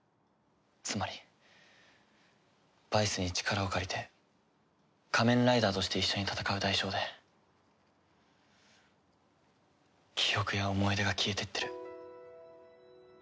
つまりバイスに力を借りて仮面ライダーとして一緒に戦う代償で記憶や思い出が消えてってる。